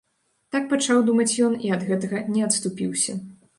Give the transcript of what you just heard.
Так пачаў думаць ён і ад гэтага не адступіўся.